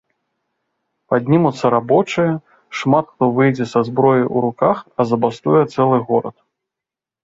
Паднімуцца рабочыя, шмат хто выйдзе са зброяю ў руках, а забастуе цэлы горад!